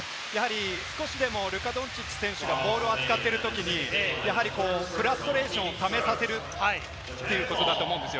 少しでもドンチッチ選手がボールを扱っているときに、フラストレーションを溜めさせるということだと思うんです。